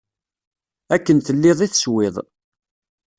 Akken telliḍ i teswiḍ.